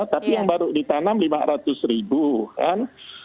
tapi yang baru ditanam lima ratus ribu kan